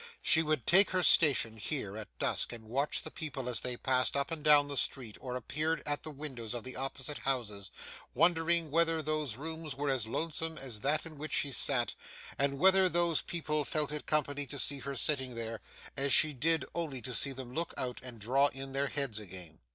She would take her station here, at dusk, and watch the people as they passed up and down the street, or appeared at the windows of the opposite houses; wondering whether those rooms were as lonesome as that in which she sat, and whether those people felt it company to see her sitting there, as she did only to see them look out and draw in their heads again.